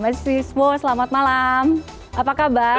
mas wismo selamat malam apa kabar